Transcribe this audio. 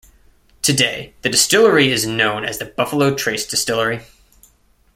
Today the distillery is known as the Buffalo Trace Distillery.